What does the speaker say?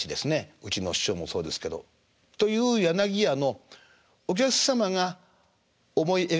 うちの師匠もそうですけど。という柳家のお客様が思い描く柳家のイメージとは